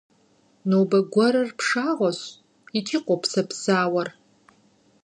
Нобэ гуэрыр пшагъуэщ икӏи къопсэпсауэр.